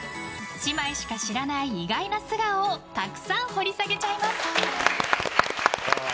姉妹しか知らない意外な素顔をたくさん掘り下げちゃいます！